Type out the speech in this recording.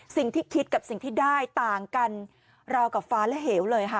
คิดกับสิ่งที่ได้ต่างกันราวกับฟ้าและเหวเลยค่ะ